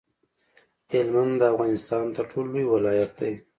هلمند د افغانستان تر ټولو لوی ولایت دی